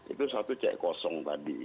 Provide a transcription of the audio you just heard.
itu satu cek kosong tadi